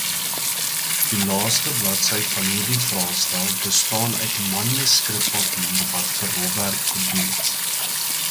Die laaste bladsy van hierdie vraestel bestaan uit manuskrippapier wat vir rofwerk bedoel is.